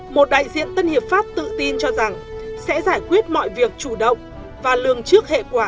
một đại diện tân hiệp pháp tự tin cho rằng sẽ giải quyết mọi việc chủ động và lường trước hệ quả